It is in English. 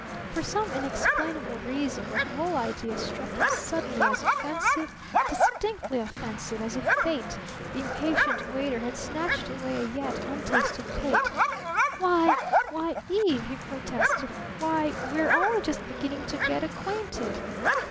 For some inexplainable reason the whole idea struck him suddenly as offensive, distinctly offensive, as if Fate, the impatient waiter, had snatched away a yet untasted plate. "Why why, Eve!" he protested, "why, we're only just beginning to get acquainted."